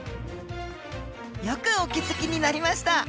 よくお気付きになりました！